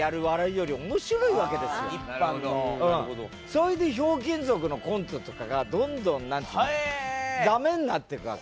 それで『ひょうきん族』のコントとかがどんどんなんて言うのダメになっていくわけ。